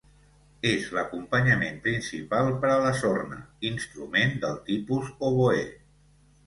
És l'acompanyament principal per a la sorna, instrument del tipus oboè.